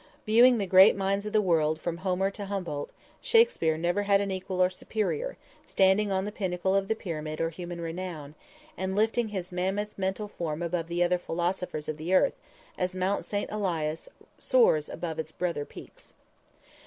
Viewing the great minds of the world from Homer to Humboldt, Shakspere never had an equal or superior, standing on the pinnacle of the pyramid of human renown, and lifting his mammoth mental form above the other philosophers of the earth as Mount St. Elias soars above its brother peaks.